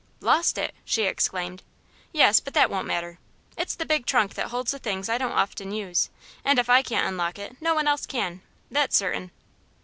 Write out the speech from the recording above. "Lost it!" she exclaimed. "Yes; but that won't matter. It's the big trunk that holds the things I don't often use, and if I can't unlock it no one else can, that's certain.